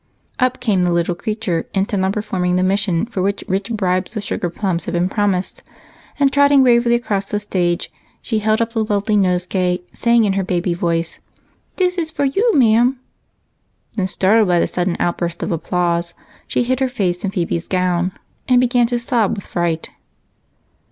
Up came the little creature, intent on performing the mission for which rich bribes of sugarplums had been promised, and trotting bravely across the stage, she held up the lovely nosegay, saying in her baby voice, "Dis for you, ma'am." Then, startled by the sudden outburst of applause, she hid her face in Phebe's gown and began to sob with fright.